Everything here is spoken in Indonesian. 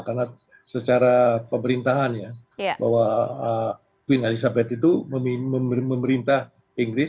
karena secara pemerintahan ya bahwa queen elizabeth itu memerintah inggris